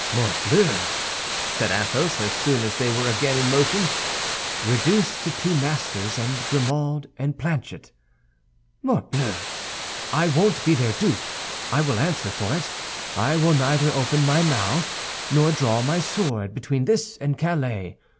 "Morbleu," said Athos, as soon as they were again in motion, "reduced to two masters and Grimaud and Planchet! Morbleu! I won't be their dupe, I will answer for it. I will neither open my mouth nor draw my sword between this and Calais.